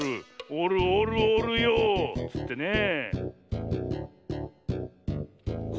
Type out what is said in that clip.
おるおるおるよっつってねえ。